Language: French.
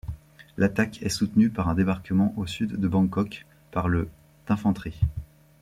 L'attaque est soutenue pas un débarquement au sud de Bangkok par le d'infanterie.